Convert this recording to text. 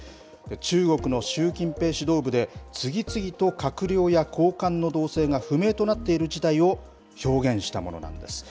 中国の習近平指導部で、次々と閣僚や高官の動静が不明となっている事態を表現したものなんです。